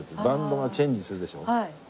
バンドがチェンジするでしょ？